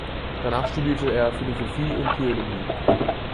Danach studierte er Philosophie und Theologie.